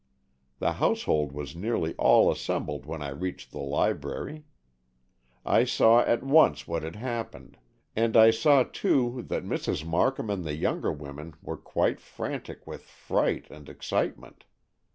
The household was nearly all assembled when I reached the library. I saw at once what had happened, and I saw, too, that Mrs. Markham and the younger women were quite frantic with fright and excitement.